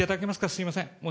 すみません。